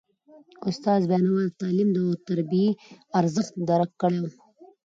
استاد بینوا د تعلیم او تربیې ارزښت درک کړی و.